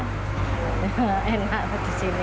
ya enak kok di sini